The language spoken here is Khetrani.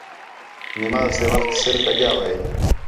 نماز تے وخت سِر کَڄّا وہے